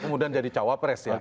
kemudian jadi cawapres